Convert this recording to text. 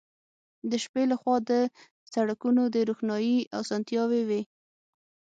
د شپې له خوا د سړکونو د روښنايي اسانتیاوې وې